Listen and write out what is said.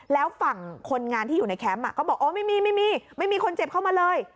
แล้วฝั่งคนงานที่อยู่ในแคมป์ก็บอกอ๋อไม่มีไม่มีคนเจ็บเข้ามาเลย